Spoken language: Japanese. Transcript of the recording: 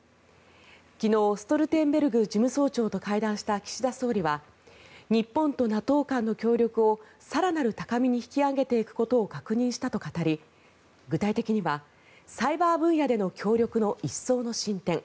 昨日ストルテンベルグ事務総長と会談した岸田総理は日本とＮＡＴＯ間の協力を更なる高みに引き上げていくことを確認したと語り具体的にはサイバー分野での協力の一層の進展